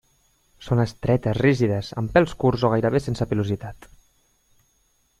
Són estretes, rígides, amb pèls curts o gairebé sense pilositat.